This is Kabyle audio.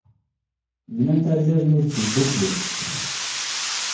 Bnant argaz n udfel ddukkli.